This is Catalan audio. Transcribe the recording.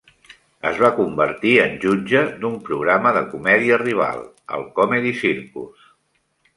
Es va convertir en jutge d'un programa de comèdia rival, el "Comedy Circus".